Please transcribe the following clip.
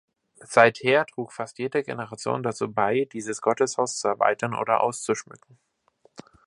Seither trug fast jede Generation dazu bei, dieses Gotteshaus zu erweitern oder auszuschmücken.